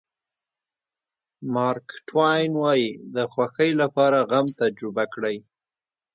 مارک ټواین وایي د خوښۍ لپاره غم تجربه کړئ.